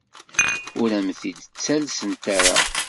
Ur am-t-id-ttalsent ara.